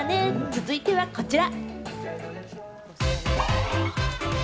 続いてはこちら。